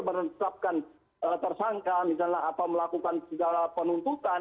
menetapkan tersangka misalnya atau melakukan segala penuntutan